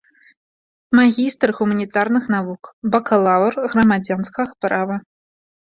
Магістр гуманітарных навук, бакалаўр грамадзянскага права.